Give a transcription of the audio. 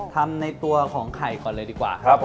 ทำในตัวของไข่ก่อนเลยดีกว่า